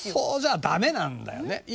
そうじゃダメなんだよね。